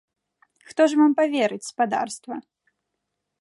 Хто ж вам паверыць, спадарства?